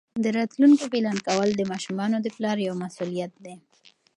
د راتلونکي پلان کول د ماشومانو د پلار یوه مسؤلیت ده.